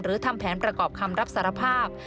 ทำแผนประกอบคำรับสารภาพ